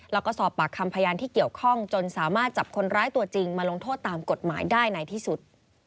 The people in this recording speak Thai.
แล้วก็สอบปากคำพยานที่เกี่ยวข้องจนสามารถจับคนร้ายตัวจริงมาลงโทษตามกฎหมายได้ในที่สุด